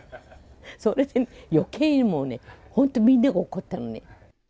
それでよけいもうね、本当みんなが怒ったのね。